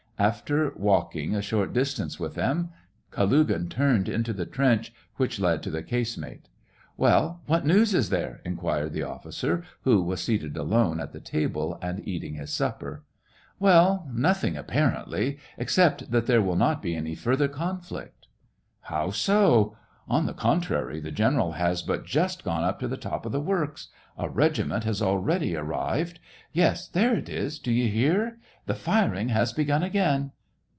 After walking a short distance with them, Kalugin turned into the trench, which led to the casemate. " Well, what news is there ?" inquired the offi cer, who was seated alone at the table, and eating his supper. "Well, nothing, apparently, except that there will not be any further conflict." SEVASTOPOL IN MAY. 91 " How so ? On the contrary, the general has but just gone up to the top of the works. A regiment has already arrived. Yes, there it is ... do you hear } The firing has begun again.